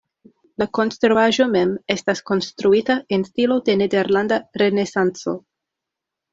La konstruaĵo mem estas konstruita en stilo de nederlanda renesanco.